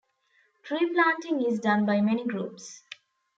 Tree planting is done by many groups.